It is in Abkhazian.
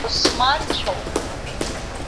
Османцәоуп!